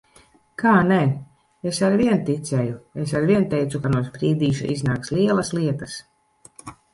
Kā nē? Es arvien ticēju! Es arvien teicu, ka no Sprīdīša iznāks lielas lietas.